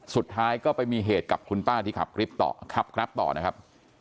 สุดท้ายก็ไปมีเหตุกับคุณป้าที่ขับกริปต่อขับกราฟต่อนะครับ